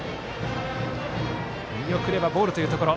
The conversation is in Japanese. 見送ればボールというところ。